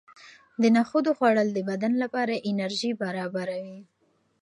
د نخودو خوړل د بدن لپاره انرژي برابروي.